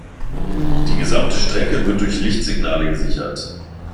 Die gesamte Strecke wird durch Lichtsignale gesichert.